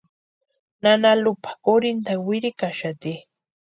Nana Lupa kurhinta wirikaxati.